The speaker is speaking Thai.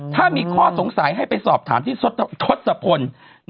ถ้ามีข้อสงสัยให้ไปสอบถามที่ทศพล